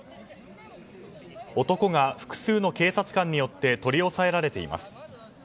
男が複数の警察官によって取り押さえられています。